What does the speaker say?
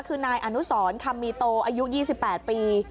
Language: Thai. คือนายอนุสรคำมีโตอายุ๒๘ปี